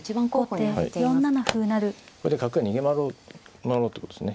これで角が逃げ回ろうってことですね。